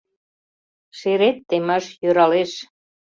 Шерет темаш йӧралеш...